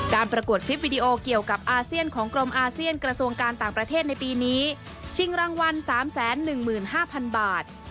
ประกวดคลิปวิดีโอเกี่ยวกับอาเซียนของกรมอาเซียนกระทรวงการต่างประเทศในปีนี้ชิงรางวัล๓๑๕๐๐๐บาท